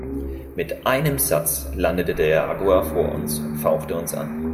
Mit einem Satz landete der Jaguar vor uns und fauchte uns an.